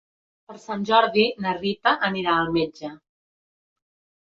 Per Sant Jordi na Rita anirà al metge.